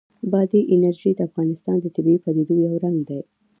بادي انرژي د افغانستان د طبیعي پدیدو یو رنګ دی.